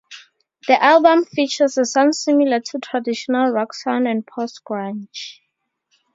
The album features a sound similar to traditional rock sound and post-grunge.